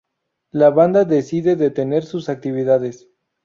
La banda decide detener sus actividades.